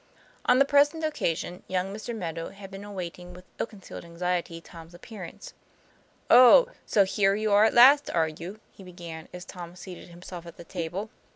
On the present occasion young Mr. Meadow had been awaiting with ill concealed anxiety Tom's appearance. " Oh, so here you are at last, are you ?" he began as Tom seated himself at the table.